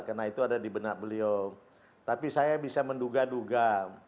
karena itu ada di benak beliau tapi saya bisa menduga duga